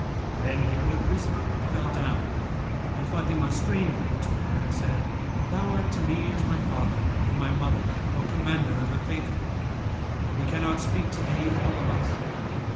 Then he would have risen, but fell down and Fatimah strained him to her and said, 'Thou art to me as my father and my mother, O Commander of the Faithful! We cannot speak to thee, all of us.'